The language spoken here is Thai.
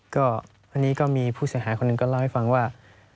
ก็วันนี้ก็มีผู้เสียหายคนหนึ่งก็เล่าให้ฟังว่า